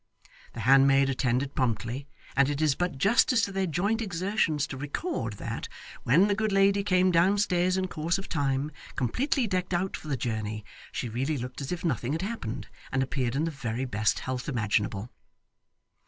The handmaid attended promptly, and it is but justice to their joint exertions to record that, when the good lady came downstairs in course of time, completely decked out for the journey, she really looked as if nothing had happened, and appeared in the very best health imaginable.